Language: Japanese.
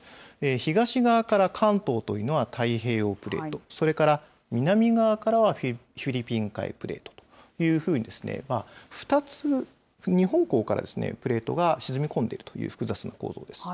東側から関東というのは太平洋プレート、それから南側からはフィリピン海プレートというふうに、２つ、２方向から沈み込んでいるという構造です。